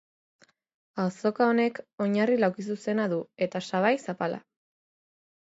Azoka honek oinarri laukizuzena du eta sabai zapala.